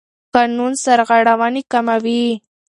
قانون سرغړونې کموي.